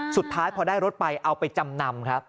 สุดท้ายพอได้รถไปเอาไปจำนำครับ